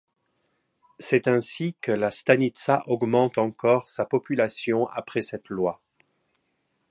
C'est ainsi que la stanitsa augmente encore sa population après cette loi.